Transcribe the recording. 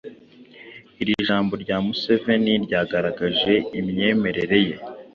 Iri jambo rya Museveni ryagaragaje imyemerere ye